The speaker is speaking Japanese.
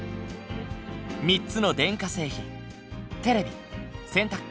３つの電化製品テレビ洗濯機冷蔵庫。